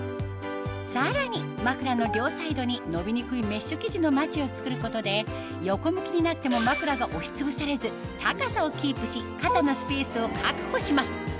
さらにまくらの両サイドに伸びにくいメッシュ生地のマチを作ることで横向きになってもまくらが押しつぶされず高さをキープし肩のスペースを確保します